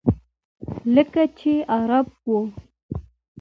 لکه چې عرب و.